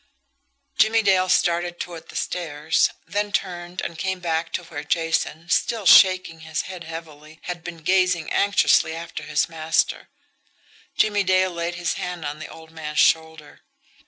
Jimmie Dale started toward the stairs then turned and came back to where Jason, still shaking his head heavily, had been gazing anxiously after his master. Jimmie Dale laid his hand on the old man's shoulder.